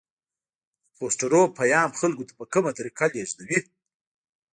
د پوسټرونو پیام خلکو ته په کومه طریقه لیږدوي؟